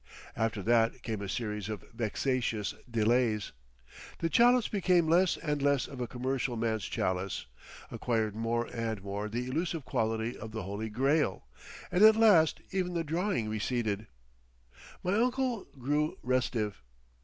After that came a series of vexatious delays. The chalice became less and less of a commercial man's chalice, acquired more and more the elusive quality of the Holy Grail, and at last even the drawing receded. My uncle grew restive....